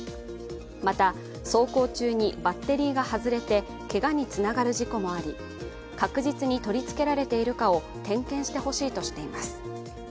また走行中にバッテリーが外れてけがにつながる事故もあり、確実に取り付けられているかを点検してほしいとしています。